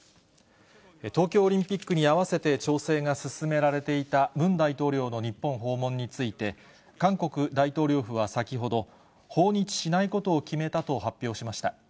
東京オリンピックに合わせて調整が進められていたムン大統領の日本訪問について、韓国大統領府は先ほど、訪日しないことを決めたと発表しました。